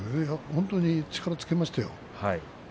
本当に力をつけましたよ。